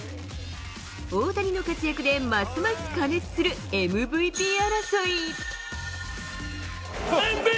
大谷の活躍でますます過熱するＭＶＰ争い。